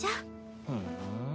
ふん。